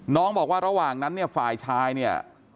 น้องบอกว่าระหว่างนั้นฝ่ายชาย